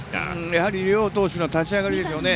やはり両投手の立ち上がりでしょうね。